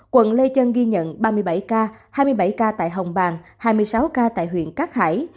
quận lê trân ghi nhận ba mươi bảy ca hai mươi bảy ca tại hồng bàng hai mươi sáu ca tại huyện cát hải